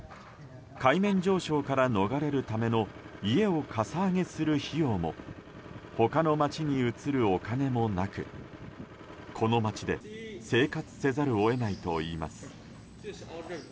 海面上昇から逃れるための家をかさ上げする費用も他の町に移るお金もなくこの町で生活せざるを得ないといいます。